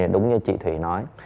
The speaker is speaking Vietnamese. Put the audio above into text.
đúng như chị thủy nói